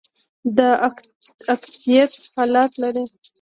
د اکتیت حالت لري.